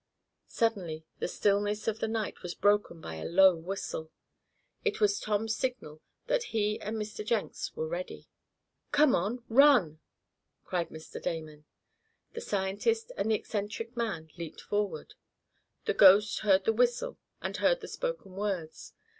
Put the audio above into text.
Suddenly the stillness of the night was broken by a low whistle. It was Tom's signal that he and Mr. Jenks were ready. "Come on! Run!" cried Mr. Damon. The scientist and the eccentric man leaped forward. The "ghost" heard the whistle, and heard the spoken words.